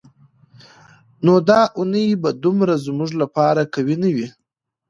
نو دا اونۍ به دومره زموږ لپاره قوي نه وي.